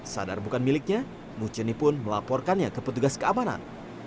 sadar bukan miliknya muceni pun melaporkannya ke petugas keamanan